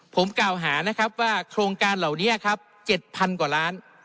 ผมกล่าวหานะครับว่าโครงการเหล่านี้ครับ๗๐๐กว่าล้าน